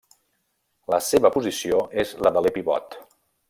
La seva posició és la d'aler pivot.